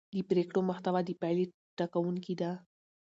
د پرېکړو محتوا د پایلې ټاکونکې ده